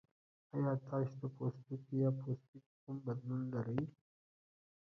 ایا تاسو د پوستکي یا پوستکي کوم بدلون لرئ؟